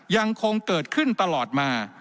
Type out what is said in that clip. ยังคงเกิดขึ้นตลอดมา